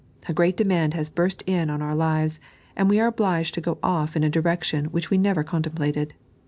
A great demand has burst in on our lives, and we are obliged to go off in & direction which we never contemplated.